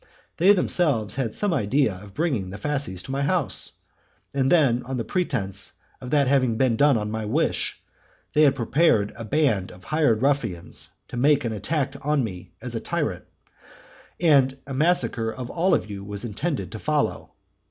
They themselves had some idea of bringing the fasces to my house; and then, on pretence of that having been done by my wish, they had prepared a band of hired ruffians to make an attack on me as on a tyrant, and a massacre of all of you was intended to follow.